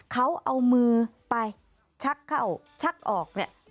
เขาเอามือไปชักเข้าชักออกเนี่ย